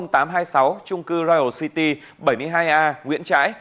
trung cư rio city bảy mươi hai a nguyễn trãi